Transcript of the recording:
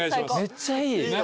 めっちゃいい。